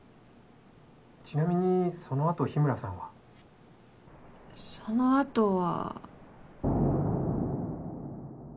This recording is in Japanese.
・ちなみにそのあと日村さんは・そのあとは。